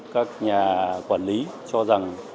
các nhà quản lý cho rằng